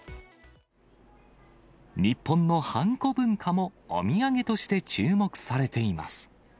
日本のはんこ文化もお土産として注目されています。